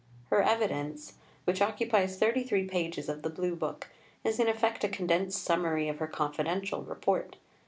Her evidence, which occupies thirty three pages of the Blue book, is in effect a condensed summary of her confidential Report.